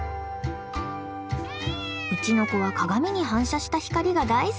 うちの子は鏡に反射した光が大好き。